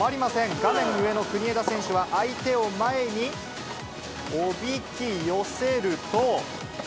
画面上の国枝選手は、相手を前におびき寄せると。